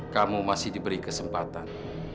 kamu masih diberi kesempatan